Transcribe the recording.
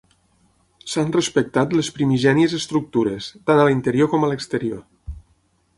S'han respectat les primigènies estructures, tant a l'interior com a l'exterior.